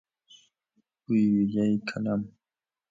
بوی ویژهی کلم